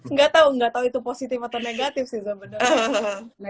nggak tahu nggak tahu itu positif atau negatif sih sebenarnya